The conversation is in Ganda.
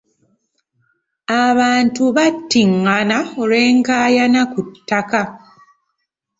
Abantu battingana olw'enkaayana ku ttaka.